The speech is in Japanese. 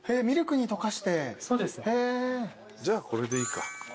じゃあこれでいいか。